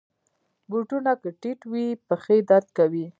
بوټونه که ټیټ وي، پښې درد کوي.